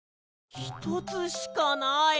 ひとつしかない！